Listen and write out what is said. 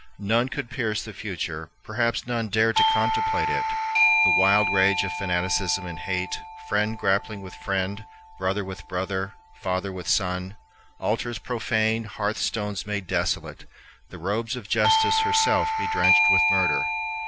None could pierce the future, perhaps none dared to contemplate it: the wild rage of fanaticism and hate, friend grappling with friend, brother with brother, father with son; altars profaned, hearth stones made desolate, the robes of Justice herself bedrenched with murder.